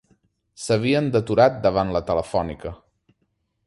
S'havien deturat davant la Telefònica